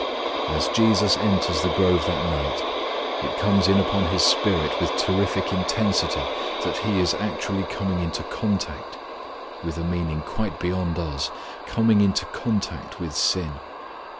As Jesus enters the grove that night it comes in upon His spirit with terrific intensity that He is actually coming into contact with a meaning quite beyond us coming into contact with sin.